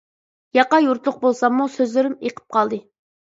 ياقا يۇرتلۇق بولساممۇ سۆزلىرىم ئېقىپ قالدى.